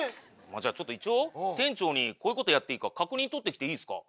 じゃあちょっと一応店長にこういうことやっていいか確認取ってきていいですか？